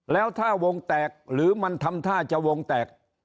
แล้วถ้าวงแตกหรือมันทำท่าจะวงแตก